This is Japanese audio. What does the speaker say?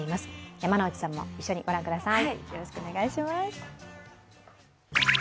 山之内さんも一緒に御覧ください。